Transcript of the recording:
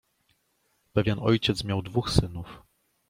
"Pewien ojciec miał dwóch synów."